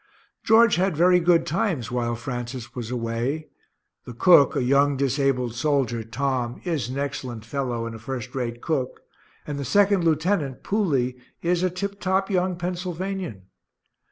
George had very good times while Francis was away the cook, a young disabled soldier, Tom, is an excellent fellow and a first rate cook, and the second lieutenant, Pooley, is a tip top young Pennsylvanian.